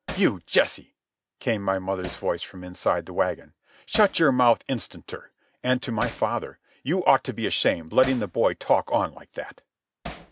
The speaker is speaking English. "You, Jesse!" came my mother's voice from inside the wagon. "Shut your mouth instanter." And to my father: "You ought to be ashamed letting the boy talk on like that."